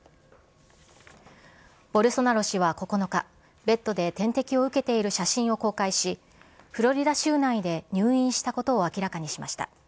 ボルソナロ氏は９日、ベッドで点滴を受けている写真を公開し、フロリダ州内で入院したことを明らかにしました。